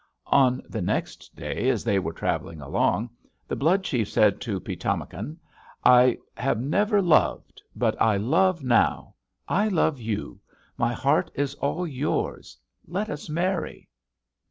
"On the next day, as they were traveling along, the Blood chief said to Pi´tamakan: 'I have never loved, but I love now. I love you; my heart is all yours; let us marry.'